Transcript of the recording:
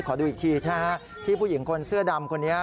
ขอดูอีกทีที่ผู้หญิงคนเสื้อดำคนนี้